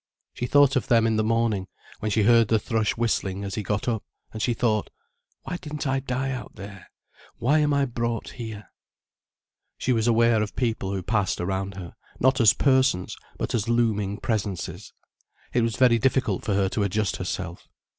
She thought of them in the morning, when she heard the thrush whistling as he got up, and she thought, "Why didn't I die out there, why am I brought here?" She was aware of people who passed around her, not as persons, but as looming presences. It was very difficult for her to adjust herself.